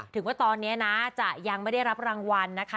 ถึงว่าตอนนี้นะจะยังไม่ได้รับรางวัลนะคะ